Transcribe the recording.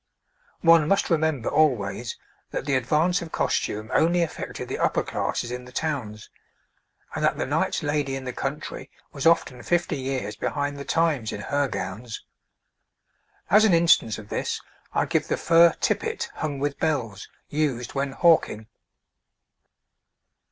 One must remember always that the advance of costume only affected the upper classes in the towns, and that the knight's lady in the country was often fifty years behind the times in her gowns. As an instance of this I give the fur tippet hung with bells, used when hawking.